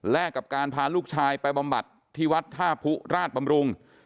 กับการพาลูกชายไปบำบัดที่วัดท่าผู้ราชบำรุง